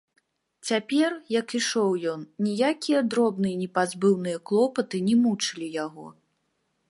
Цяпер, як ішоў ён, ніякія дробныя непазбыўныя клопаты не мучылі яго.